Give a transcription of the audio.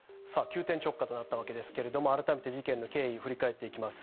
急転直下となったわけですけれども改めて事件の経緯を振り返っていきます。